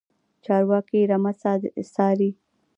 چرواکی رمه څاري.